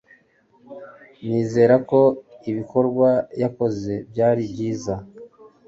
Nizera ko ibikorwa yakoze byari byiza